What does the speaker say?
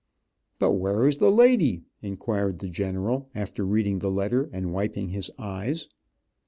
"But where is the lady?" inquired the general, after reading the letter and wiping his eyes.